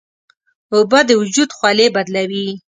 اوبه د وجود خولې بدلوي.